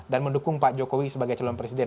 dan mendukung pak jokowi sebagai calon presiden